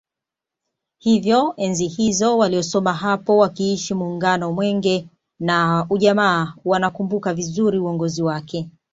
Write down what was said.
Hivyo enzi hizo waliosoma hapo wakiishi Muungano Mwenge na Ujamaa wanakumbuka vizuri uongozi wake